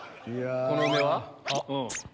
この梅は？